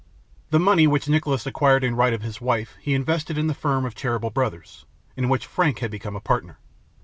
The money which Nicholas acquired in right of his wife he invested in the firm of Cheeryble Brothers, in which Frank had become a partner.